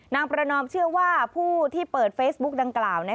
นางประนอมเชื่อว่าผู้ที่เปิดเฟซบุ๊กดังกล่าว